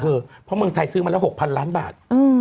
เพราะเมืองไทยซื้อมาแล้ว๖๐๐ล้านบาท